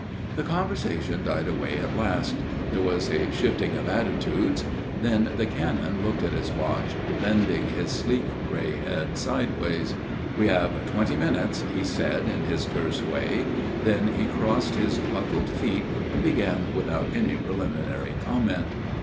The conversation died away at last ; there was a shifting of attitudes. Then the Canon looked at his watch, bending his sleek grey head sideways. 15 16 A MIRROR OF SHALOTT " We have twenty minutes," he said in his terse way. Then he crossed his buckled feet and began without any preliminary comment.